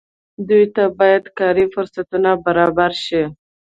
دوی ته باید کاري فرصتونه برابر شي.